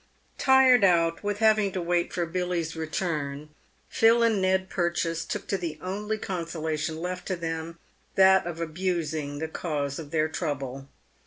Tibed out with Laving to wait for Billy's return, Phil and Ned Purchase took to the only consolation left them, that of abusing the cause of their trouble.